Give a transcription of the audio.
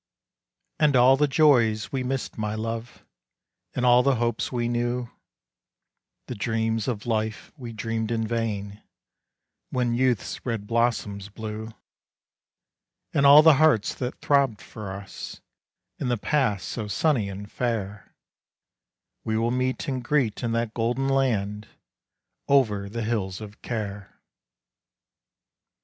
And all the joys we missed, my Love, And all the hopes we knew, The dreams of life we dreamed in vain, When youth's red blossoms blew; And all the hearts that throbbed for us, In the past so sunny and fair, We will meet and greet in that golden land, Over the hills of care.